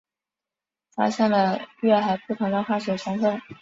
发现了与月海不同的化学成分。